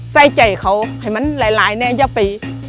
ใส่ใจเขาให้มันหลายแน่อย่าไป